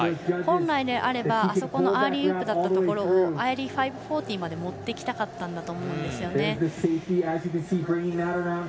本来であれば、あそこのアーリーウープだったところをアーリー５４０まで持ってきたかったんだと思うんですよね。